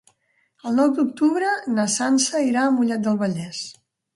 El nou d'octubre na Sança irà a Mollet del Vallès.